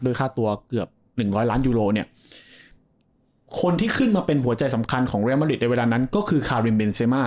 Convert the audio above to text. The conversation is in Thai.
ค่าตัวเกือบหนึ่งร้อยล้านยูโรเนี่ยคนที่ขึ้นมาเป็นหัวใจสำคัญของเรียมริตในเวลานั้นก็คือคาริมเมนเซมา